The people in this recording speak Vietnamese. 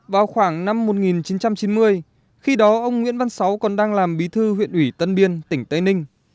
vào khoảng năm một nghìn chín trăm chín mươi khi đó ông nguyễn văn sáu còn đang làm bí thư huyện ủy tân biên tỉnh tây ninh